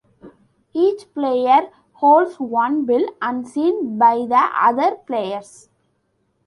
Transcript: Each player holds one bill, unseen by the other players.